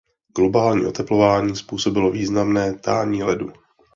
Globální oteplování způsobilo významné tání ledu.